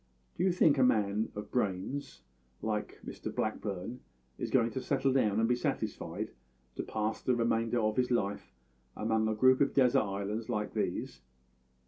Do you think that a man of brains like Mr Blackburn is going to settle down and be satisfied to pass the remainder of his life among a group of desert islands like these?